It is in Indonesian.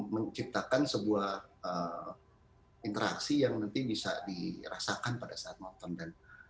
menciptakan sebuah interaksi yang nanti bisa dirasakan pada saat nonton